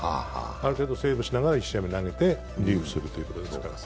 ある程度セーブしながら１試合投げてリリーフするってことですから。